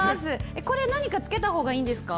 これ、何かつけたほうがいいんですか。